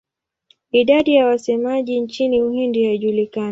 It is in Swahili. Idadi ya wasemaji nchini Uhindi haijulikani.